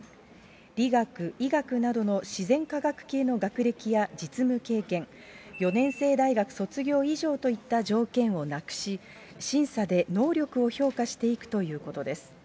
理学、医学などの自然科学系の学歴や実務経験、４年制大学卒業以上といった条件をなくし、審査で能力を評価していくということです。